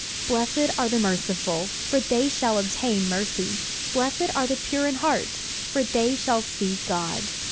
"Blessed are the merciful: for they shall obtain mercy. "Blessed are the pure in heart: for they shall see God.